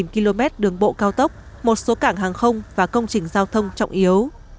ba km đường bộ cao tốc một số cảng hàng không và công trình giao thông trọng yếu